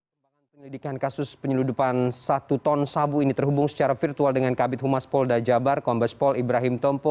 pembangunan penyelidikan kasus penyeludupan satu ton sabu ini terhubung secara virtual dengan kabit humas pol dajabar kombes pol ibrahim tempo